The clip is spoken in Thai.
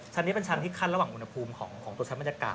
นี้เป็นชั้นที่ขั้นระหว่างอุณหภูมิของตัวชั้นบรรยากาศ